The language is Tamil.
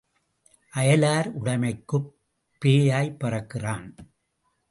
அயலார் உடைமைக்குப் பேயாய்ப் பறக்கிறான்.